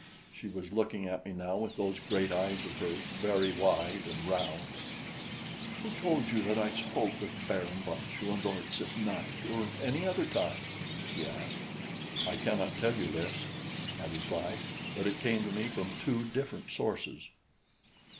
She was looking at me now with those great eyes of hers, very wide and round. "Who told you that I spoke with Baron von Schoenvorts at night, or any other time?" she asked. "I cannot tell you, Lys," I replied, "but it came to me from two different sources."